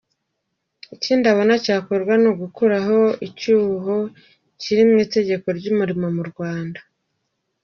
Ikindi abona cyakorwa ni ugukuraho icyuho kiri mu itegeko ry’ umurimo mu Rwanda.